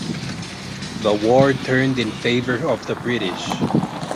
The war turned in favor of the British.